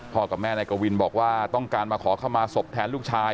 กับแม่นายกวินบอกว่าต้องการมาขอเข้ามาศพแทนลูกชาย